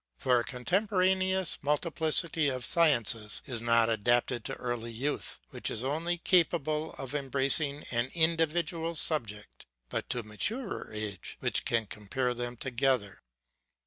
For a contemporaneous multiplicity of sciences is not adapted to early youth, which is only capable of embra cing an individual subject, ŌĆö but to maturer age, which can compare them together.